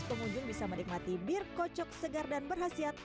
pengunjung bisa menikmati bir kocok segar dan berhasiat